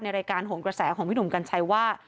รายการโหนกระแสของพี่หนุ่มกัญชัยว่า